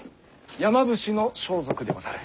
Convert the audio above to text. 山伏の装束でござる。